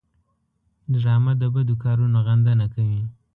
ډرامه د بدو کارونو غندنه کوي